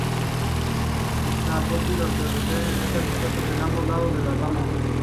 Los pólipos son retráctiles y están dispuestos a ambos lados de las ramas.